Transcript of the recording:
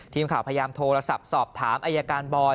ทีมข่าวพยายามโทรศัพท์สอบถามอายการบอย